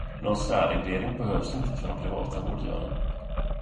Någon särreglering behövs inte för de privata vårdgivarna.